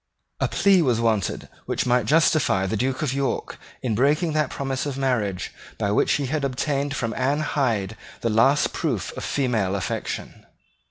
A plea was wanted which might justify the Duke of York in breaking that promise of marriage by which he had obtained from Anne Hyde the last proof of female affection.